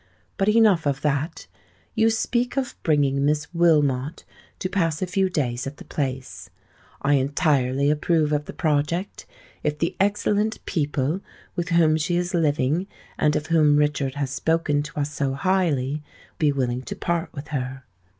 But enough of that. You speak of bringing Miss Wilmot, to pass a few days at the Place. I entirely approve of the project, if the excellent people with whom she is living, and of whom Richard has spoken to us so highly, be willing to part with her.